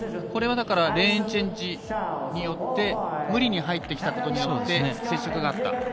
これはレーンチェンジによって無理に入ってきたことによって接触があった。